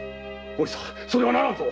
お久それはならんぞ！